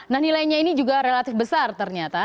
nah nilainya ini juga relatif besar ternyata